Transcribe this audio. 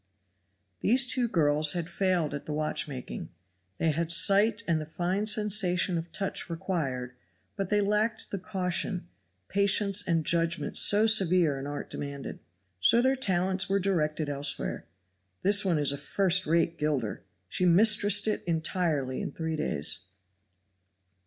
These two girls had failed at the watchmaking. They had sight and the fine sensation of touch required, but they lacked the caution, patience and judgment so severe an art demanded; so their talents were directed elsewhere. This one is a first rate gilder, she mistressed it entirely in three days.